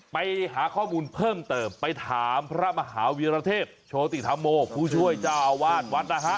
ไปหาข้อมูลเพิ่มเติมไปถามพระมหาวีรเทพโชติธรรมโมผู้ช่วยเจ้าอาวาสวัดนะฮะ